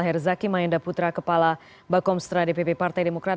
herzaki mahendra putra kepala bakomstra dpp partai demokrat